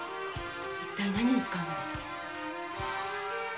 いったい何に使うのでしょう？